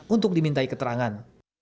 untuk dimintai keterangan